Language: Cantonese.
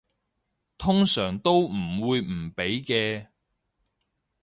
通常都唔會唔俾嘅